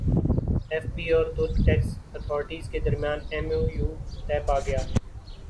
F B اور ترک tax authorities کے درمیان ایم او یو طے پاگیا